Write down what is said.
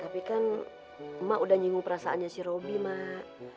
tapi kan emak udah nyinggung perasaannya si robi mak